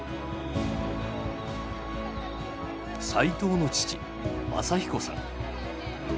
齋藤の父雅彦さん。